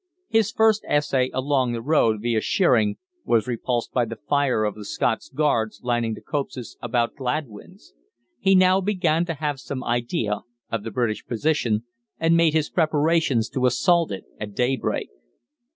His first essay along the direct road viâ Sheering was repulsed by the fire of the Scots Guards lining the copses about Gladwyns. He now began to have some idea of the British position, and made his preparations to assault it at daybreak.